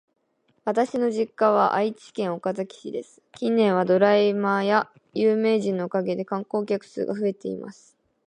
私の実家は愛知県岡崎市です。近年はドラマや有名人のおかげで観光客数が増えています。